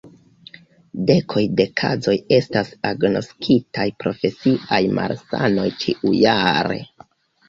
Dekoj de kazoj estas agnoskitaj profesiaj malsanoj ĉiujare.